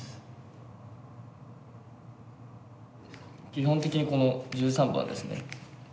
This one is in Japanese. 基本的にこの１３番ですね。